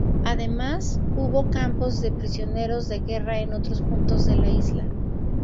Además, hubo campos de prisioneros de guerra en otros puntos de la isla.